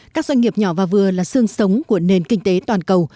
các doanh nghiệp nhỏ và vừa là sương sống của nền kinh tế toàn cầu